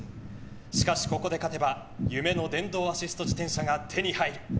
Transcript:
しかしここで勝てば夢の電動アシスト自転車が手に入る。